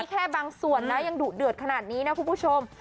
แค่บางส่วนนะยังดุเดือดขนาดนี้นะคุณผู้ชม